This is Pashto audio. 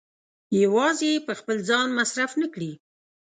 يوازې يې په خپل ځان مصرف نه کړي.